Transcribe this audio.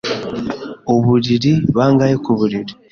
Uburiri bangahe ku buriri?